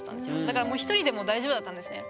だからもう１人でも大丈夫だったんですね。